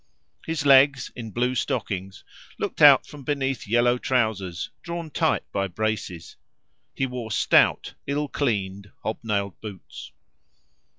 His legs, in blue stockings, looked out from beneath yellow trousers, drawn tight by braces, He wore stout, ill cleaned, hob nailed boots.